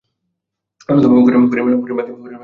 অন্নদাবাবু কহিলেন, হরির মাকে ডাকিয়া দিব?